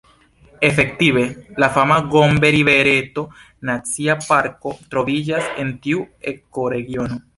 Efektive, la fama Gombe-rivereto Nacia Parko troviĝas en tiu ekoregiono.